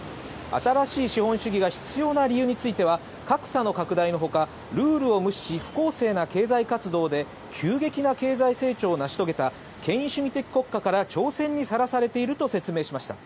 新しい資本主義が必要な理由については、格差の拡大のほか、ルールを無視し不公正な経済活動で、急激な経済成長を成し遂げた権威主義的国家から挑戦にさらされていると説明しました。